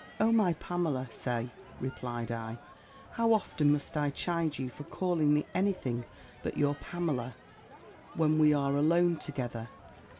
"Oh! my Pamela, say," replied I. "How often must I chide you for calling me any thing but your Pamela, when we are alone together?"